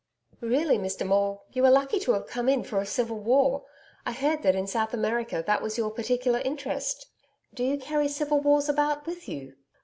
Really Mr Maule, you are lucky to have come in for a civil war I heard that in South America that was your particular interest. Do you carry civil wars about with you?